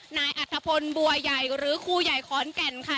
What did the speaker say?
นายอัธพลบัวใหญ่หรือครูใหญ่ขอนแก่นค่ะ